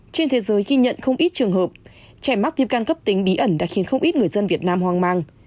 trên thế giới ghi nhận không ít trường hợp trẻ mắc viêm can cấp tính bí ẩn đã khiến không ít người dân việt nam hoang mang